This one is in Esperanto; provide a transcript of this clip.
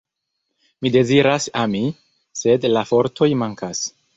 Mi deziras ami, sed la fortoj mankas.